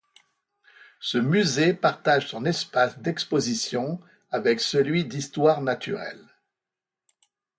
Ce musée partage son espace d'exposition avec celui d'histoire naturelle.